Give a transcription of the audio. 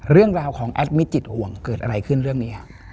เรื่องราวของแอดมิจิตห่วงเกิดอะไรขึ้นเรื่องนี้